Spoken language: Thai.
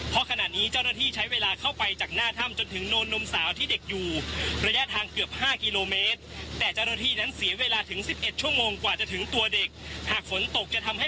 เพราะขณะนี้เจ้าหน้าที่ใช้เวลาเข้าไปจากหน้าถ้ำ